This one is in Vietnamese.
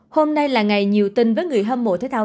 hôm nay là ngày nhiều tin với người hâm mộ thế thao